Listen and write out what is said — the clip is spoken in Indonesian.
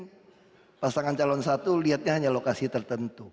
karena pasangan calon satu lihatnya hanya lokasi tertentu